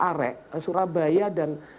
arek surabaya dan